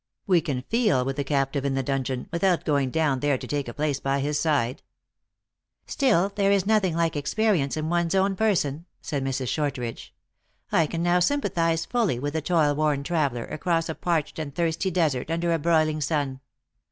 We can feel with the captive in the dungeon, without going down there to take a place by his side." V Still there is jiothing like experience in one s own person," said Mrs. Shortridge. " I can now sym pathize fully with the toilworn traveler, across a parch ed and thirsty desert, under a broiling sun.